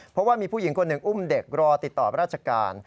เพราะว่ามีผู้หญิงคนหนึ่งอุ้มเด็กรอติดต่อราชการ